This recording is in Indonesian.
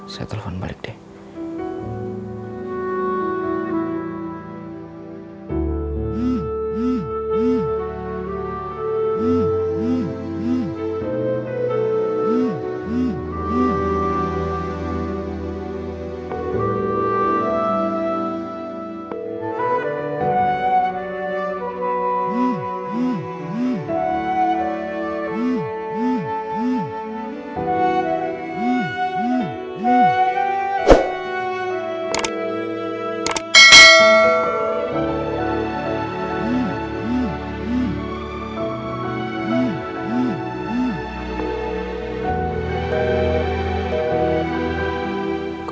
seterlapun balik deh